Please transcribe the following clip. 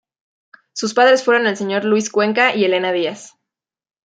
Sus padres fueron el señor Luis Cuenca y Elena Díaz.